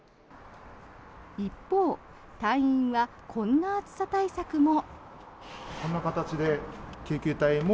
一方、隊員はこんな暑さ対策も。